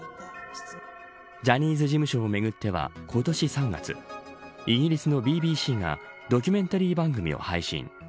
ジャニーズ事務所をめぐっては今年３月イギリスのＢＢＣがドキュメンタリー番組を配信。